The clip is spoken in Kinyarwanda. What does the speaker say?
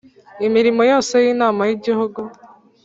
imirimo yose y’Inama y’igihugu